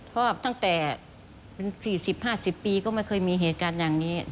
เพราะตั้งแต่เป็น๔๐๕๐ปีก็ไม่เคยมีเหตุการณ์อย่างนี้